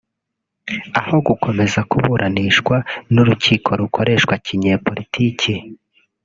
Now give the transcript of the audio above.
aho gukomeza kuburanishwa n’urukiko rukoreshwa kinyepolitiki